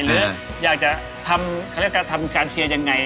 หรืออยากจะทำการเชียร์ยังไง